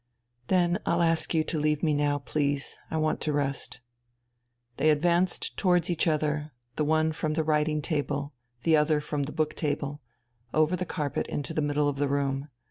"Then I'll ask you to leave me now, please; I want to rest." They advanced towards each other, the one from the writing table, the other from the book table, over the carpet into the middle of the room.